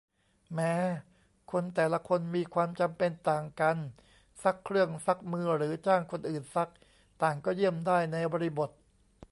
แหม คนแต่ละคนมีความจำเป็นต่างกัน ซักเครื่อง ซักมือ หรือจ้างคนอื่นซัก ต่างก็ 'เยี่ยม' ได้ในบริบท